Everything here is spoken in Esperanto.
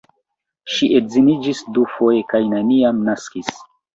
Ŝi edziniĝis dufoje kaj neniam naskis.